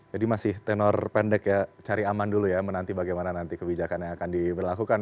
jadi masih tenor pendek ya cari aman dulu ya menanti bagaimana nanti kebijakan yang akan diberlakukan